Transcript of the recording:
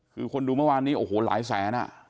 คือคนดูเมื่อวานนี้โอ้โหหลายแสนอ่ะ